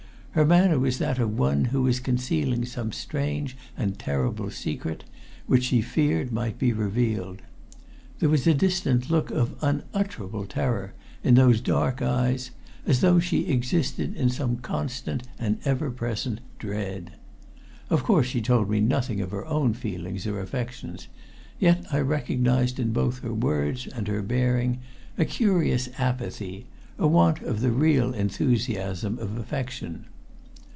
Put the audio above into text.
Her manner was that of one who was concealing some strange and terrible secret which she feared might be revealed. There was a distant look of unutterable terror in those dark eyes as though she existed in some constant and ever present dread. Of course she told me nothing of her own feelings or affections, yet I recognized in both her words and her bearing a curious apathy a want of the real enthusiasm of affection.